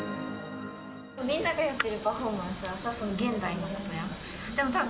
みんながやってるパフォーマンスはさ、現代のことやん。